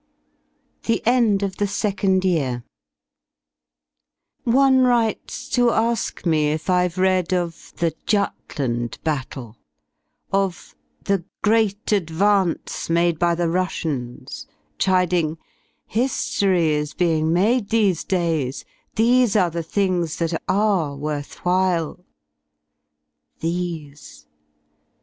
THE END OF THE SECOND YEAR jDne writes to me to ask me if Vve read Of ''the Jutland battle^' of ''the great advance Made by the Russians^^ chiding — "Hiftory Is being made these days, these are the things That are worth while^ These!